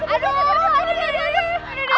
aduh aduh aduh